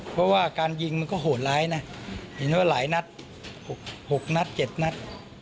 เพราะว่าการยิงมันก็โหดร้ายนะเห็นว่าหลายนัด๖นัด๗นัด